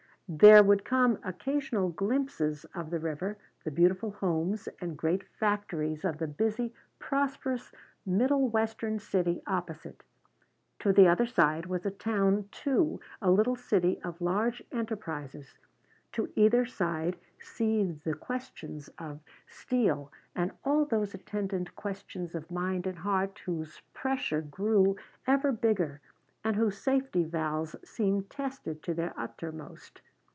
There would come occasional glimpses of the river, the beautiful homes and great factories of the busy, prosperous, middle western city opposite. To the other side was a town, too, a little city of large enterprises; to either side seethed the questions of steel, and all those attendant questions of mind and heart whose pressure grew ever bigger and whose safety valves seemed tested to their uttermost.